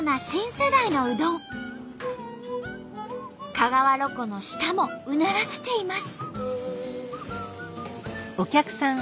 香川ロコの舌もうならせています。